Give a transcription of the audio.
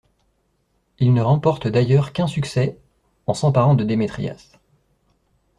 Ils ne remportent d’ailleurs qu’un succès en s’emparant de Démétrias.